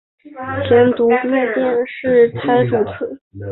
前读卖电视台主播。